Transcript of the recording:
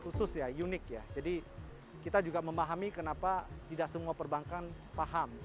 khusus ya unik ya jadi kita juga memahami kenapa tidak semua perbankan paham